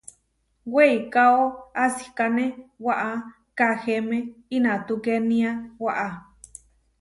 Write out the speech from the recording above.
Weikáo asikáne waʼá Kahéme inatukénia waʼá.